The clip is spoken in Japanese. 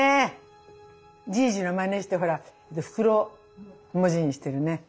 じいじのまねしてほら袋文字にしてるね。